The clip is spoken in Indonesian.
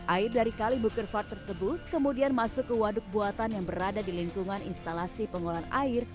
air dari kalibukervard tersebut kemudian masuk ke waduk buatan yang berada di lingkungan instalasi pengolahan air